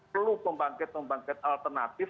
perlu pembangkit pembangkit alternatif